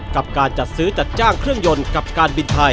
กับการจัดซื้อจัดจ้างเครื่องยนต์กับการบินไทย